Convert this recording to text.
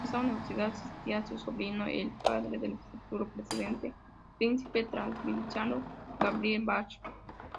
A esa universidad asistía su sobrino, el padre del futuro príncipe transilvano Gabriel Báthory.